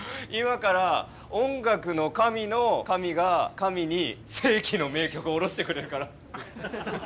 今から音楽の神の神が神に世紀の名曲を降ろしてくれるから。